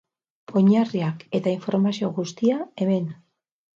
Oinarriak eta informazio guztia, hemen.